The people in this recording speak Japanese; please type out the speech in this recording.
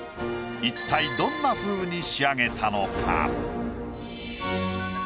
一体どんなふうに仕上げたのか？